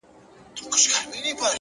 د عمل سرعت د خوبونو عمر کموي.!